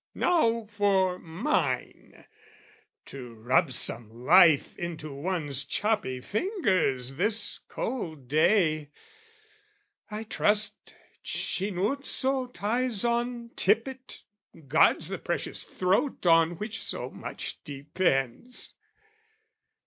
Now for mine to rub some life Into one's choppy fingers this cold day! I trust Cinuzzo ties on tippet, guards The precious throat on which so much depends!